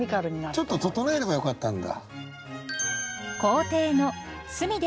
ちょっと整えればよかったんだ。